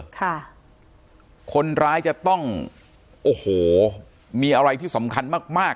ค่ะคนร้ายจะต้องโอ้โหมีอะไรที่สำคัญมากมาก